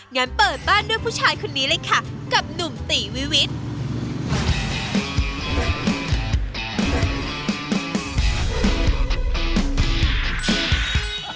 งั้นเปิดบ้านด้วยผู้ชายคนนี้เลยค่ะกับหนุ่มตีวิวิทย์